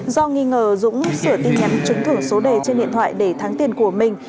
do nghi ngờ dũng sửa tin nhắn trúng thưởng số đề trên điện thoại để thắng tiền của mình